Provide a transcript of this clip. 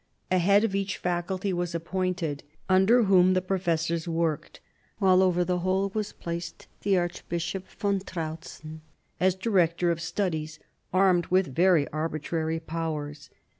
A head of each faculty was appointed, under whom the professors worked; while over the whole was placed the Archbishop von Trautzen, as director of studies, armed with very arbitrary powers.